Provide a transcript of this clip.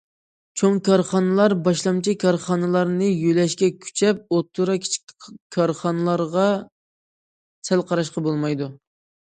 چوڭ كارخانىلار، باشلامچى كارخانىلارنى يۆلەشكە كۈچەپ، ئوتتۇرا، كىچىك كارخانىلارغا سەل قاراشقا بولمايدۇ.